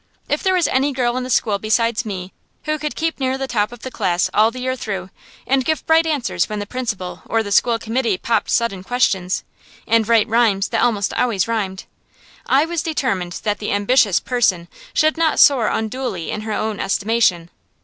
If there was any girl in the school besides me who could keep near the top of the class all the year through, and give bright answers when the principal or the school committee popped sudden questions, and write rhymes that almost always rhymed, I was determined that that ambitious person should not soar unduly in her own estimation.